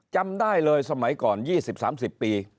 จำได้เลยสมัยก่อน๒๐๓๐ปี